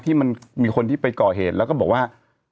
มันมีคนที่ไปก่อเหตุแล้วก็บอกว่า